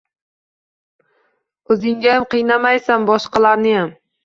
O‘zingniyam qiynamaysan, boshqalarniyam